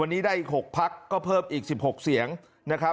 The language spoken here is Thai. วันนี้ได้อีก๖พักก็เพิ่มอีก๑๖เสียงนะครับ